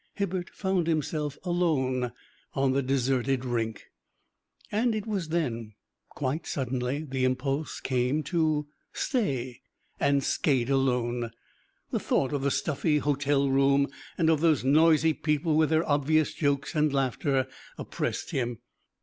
Hibbert found himself alone on the deserted rink. And it was then, quite suddenly, the impulse came to stay and skate alone. The thought of the stuffy hotel room, and of those noisy people with their obvious jokes and laughter, oppressed him.